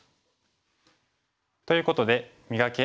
ということで「磨け！